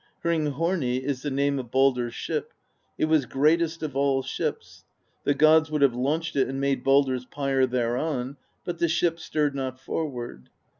Hringhorni is the name of Baldr's ship : it was great est of all ships; the gods would have launched it and made Baldr's pyre thereon, but the ship stirred not forward.